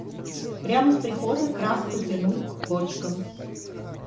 Прямо с прихода Крак потянул к кочкам.